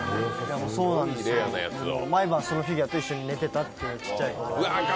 毎晩、そのフィギュアと一緒に寝ていたという、ちっちゃい頃。